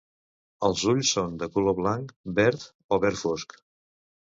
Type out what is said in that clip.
Els ulls són de color blanc, verd o verd fosc.